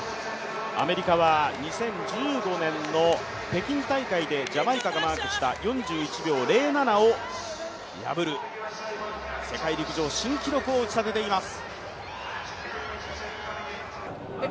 アメリカは２０１５年の北京大会でジャマイカがマークした４１秒０７を破る世界陸上新記録を打ちたてています。